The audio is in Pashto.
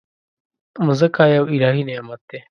مځکه یو الهي نعمت دی.